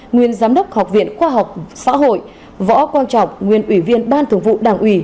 nguyên giám đốc học viện khoa học xã hội võ quang trọng nguyên ủy viên ban thường vụ đảng ủy